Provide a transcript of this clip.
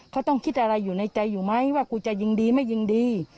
เขาต้องคิดอะไรอยู่ในใจอยู่ไหมว่ากูจะยิงดีไม่ยิงดี